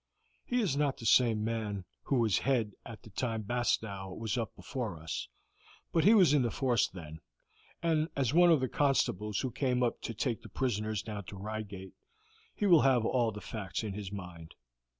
He is not the same man who was head at the time Bastow was up before us, but he was in the force then, and, as one of the constables who came up to take the prisoners down to Reigate, he will have all the facts in his mind.